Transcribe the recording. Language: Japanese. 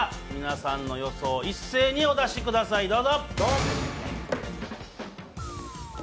皆さんの予想を一斉にお出しください。